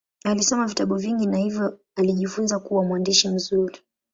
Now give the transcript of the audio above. Alisoma vitabu vingi na hivyo alijifunza kuwa mwandishi mzuri.